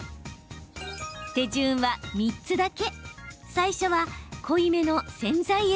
手順は３つだけ。